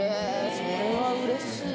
それはうれしいな。